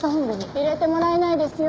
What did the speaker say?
入れてもらえないですよ